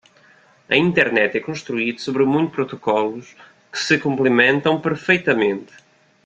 A Internet é construída sobre muitos protocolos que se complementam perfeitamente.